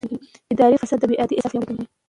اداري فساد د بې عدالتۍ احساس پیاوړی کوي